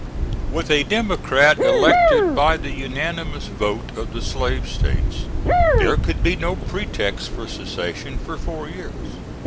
With a Democrat elected by the unanimous vote of the Slave States, there could be no pretext for secession for four years.